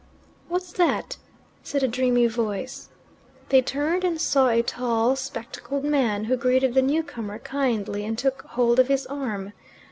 "What's that?" said a dreamy voice. They turned and saw a tall, spectacled man, who greeted the newcomer kindly, and took hold of his arm.